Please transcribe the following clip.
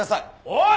おい！